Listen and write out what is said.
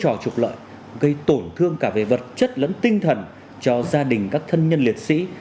trò trục lợi gây tổn thương cả về vật chất lẫn tinh thần cho gia đình các thân nhân liệt sĩ